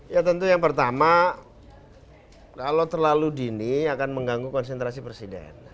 ya tentu yang pertama kalau terlalu dini akan mengganggu konsentrasi presiden